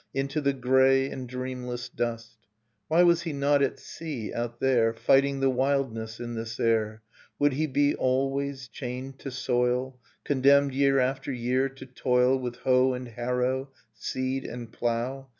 Into the grey and dreamless dust. Why was he not at sea out there. Fighting the wildness in this air? Would he be always chained to soil. Condemned, year after year, to toil With hoe and harrow, seed and plough?